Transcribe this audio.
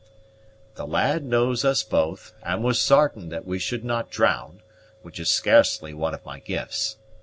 "The lad knows us both, and was sartain that we should not drown, which is scarcely one of my gifts.